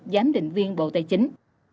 giám định viên bộ tài chính